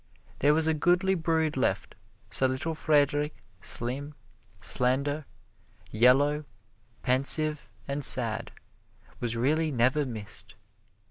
There was a goodly brood left, so little Friedrich, slim, slender, yellow, pensive and sad, was really never missed.